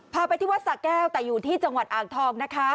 พาไปที่วัดสะแก้วแต่อยู่ที่จังหวัดอ่างทองนะคะ